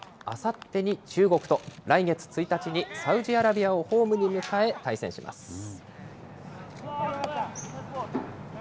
あさってに中国と、来月１日にサウジアラビアをホームに迎え対戦します。